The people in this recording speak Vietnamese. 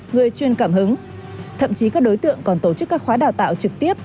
người chuyên cảm hứng thậm chí các đối tượng còn tổ chức các khóa đào tạo trực tiếp